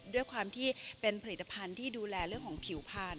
ด้วยความที่เป็นผลิตภัณฑ์ที่ดูแลเรื่องของผิวพันธ